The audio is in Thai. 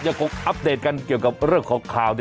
อัปเดตกันเกี่ยวกับเรื่องของข่าว